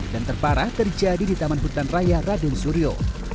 dan terparah terjadi di taman hutan raya raden surio